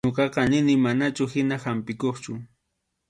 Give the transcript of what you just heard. Ñuqaqa nini manachu hina hampiqkuchu.